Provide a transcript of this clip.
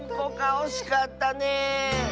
おしかったねえ！